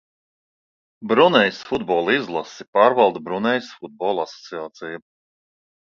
Brunejas futbola izlasi pārvalda Brunejas Futbola asociācija.